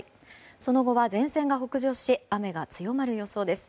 その後は前線が北上し雨が強まる予想です。